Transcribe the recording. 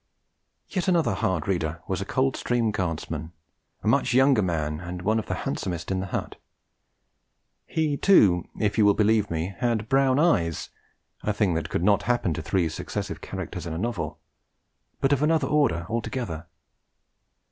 Yet another hard reader was a Coldstream Guardsman, a much younger man, and one of the handsomest in the hut. He, too, if you will believe me, had brown eyes a thing that could not happen to three successive characters in a novel but of another order altogether.